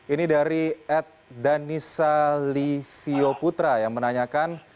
ini dari ed danisalivyoputra yang menanyakan